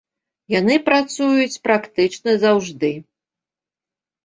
Яны працуюць практычна заўжды.